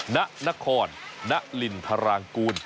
นะนะคอนนะลินทรากูล